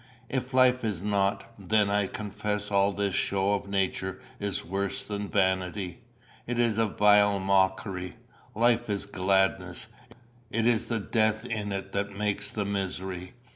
"If life is not, then I confess all this show of nature is worse than vanity it is a vile mockery. Life is gladness; it is the death in it that makes the misery.